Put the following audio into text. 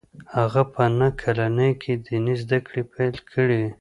هغه په نهه کلنۍ کې ديني زده کړې پیل کړې